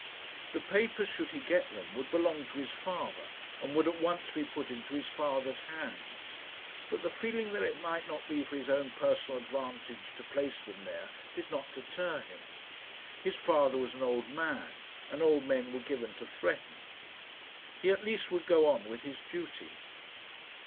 The papers, should he get them, would belong to his father, and would at once be put into his father's hands. But the feeling that it might not be for his own personal advantage to place them there did not deter him. His father was an old man, and old men were given to threaten. He at least would go on with his duty.